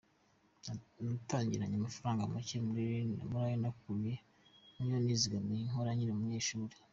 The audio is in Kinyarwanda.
Twatangiranye amafaranga make nari narakuye muyo nizigamiraga nkora nkiri umunyeshuri .